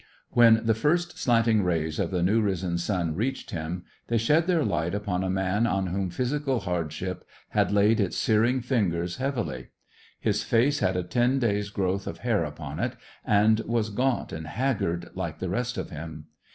When the first slanting rays of the new risen sun reached him, they shed their light upon a man on whom physical hardship had laid its searing fingers heavily. His face had a ten days' growth of hair upon it, and was gaunt and haggard, like the rest of him.